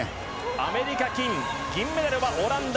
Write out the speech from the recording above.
アメリカ、金銀メダルはオランダ。